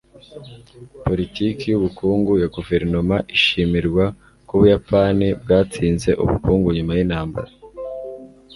Politiki yubukungu ya guverinoma ishimirwa ko Ubuyapani bwatsinze ubukungu nyuma yintambara